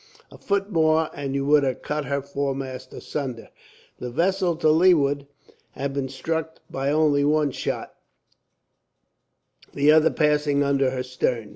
"A foot more, and you would have cut his foremast asunder." The vessel to leeward had been struck by only one shot, the other passing under her stern.